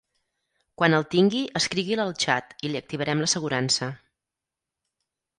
Quan el tingui escrigui'l al xat i li activarem l'assegurança.